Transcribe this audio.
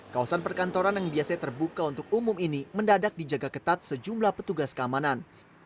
kawasan perkantoran yang biasanya terbuka untuk umum ini mendadak dijaga ketat sejumlah petugas keamanan